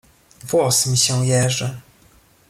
"Włos mi się jeży."